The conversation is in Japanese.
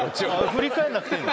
振り返んなくていいの？